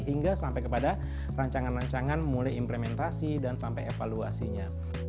hingga sampai kepada rancangan rancangan mulai implementasi dan sampai evaluasinya